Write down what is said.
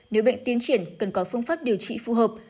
nếu bệnh tiến triển cần có phương pháp điều trị phù hợp